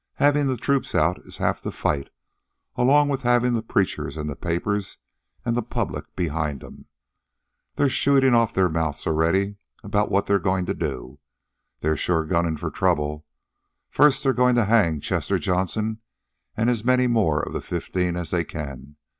Havin' the troops out is half the fight, along with havin' the preachers an' the papers an' the public behind 'em. They're shootin' off their mouths already about what they're goin' to do. They're sure gunning for trouble. First, they're goin' to hang Chester Johnson an' as many more of the fifteen as they can.